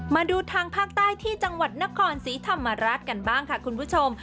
มาดูทางภาคใต้ที่จังหวัดนครศรีธรรมราชกันบ้างค่ะคุณผู้ชม